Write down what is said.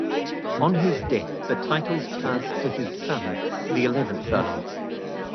On his death the titles passed to his son, the eleventh Earl.